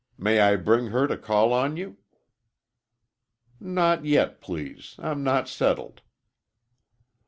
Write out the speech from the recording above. May I bring her to call on you?" "Not yet, please. I'm not settled."